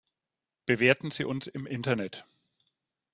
Bewerten Sie uns im Internet!